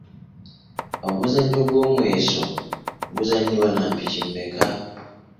Omuzannyo gw’omweso guzannyibwa na mpiki mmeka ?